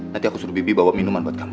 nanti aku suruh bibi bawa minuman buat kamu